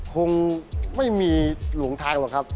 คงไม่มีหลงทางหรอกครับ